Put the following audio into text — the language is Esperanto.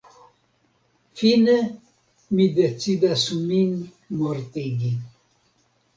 Fine mi decidas min mortigi.